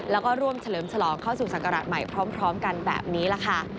แล้วก็ร่วมเฉลิมฉลองเข้าสู่ศักราชใหม่พร้อมกันแบบนี้แหละค่ะ